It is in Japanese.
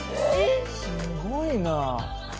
すごいな。